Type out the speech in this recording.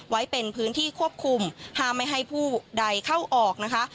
ไว้เป็นพื้นที่ควบคุมห้ามไม่ให้ผู้ใดเข้าออกนะคะ